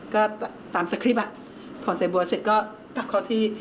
ก็ตามสคริปต์อ่ะถอนใส่บัวเสร็จก็ตักเขาที่